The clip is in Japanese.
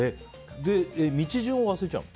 道順を忘れちゃうの？